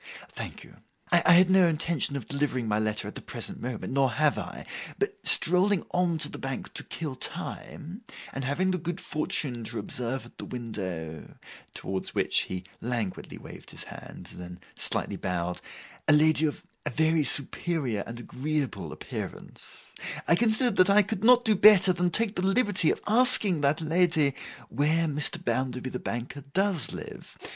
'Thank you. I had no intention of delivering my letter at the present moment, nor have I. But strolling on to the Bank to kill time, and having the good fortune to observe at the window,' towards which he languidly waved his hand, then slightly bowed, 'a lady of a very superior and agreeable appearance, I considered that I could not do better than take the liberty of asking that lady where Mr. Bounderby the Banker does live.